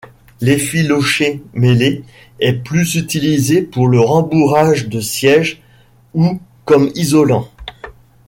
L'effiloché mêlé est plus utilisé pour le rembourrage de sièges ou comme isolant.